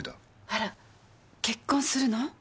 あら結婚するの？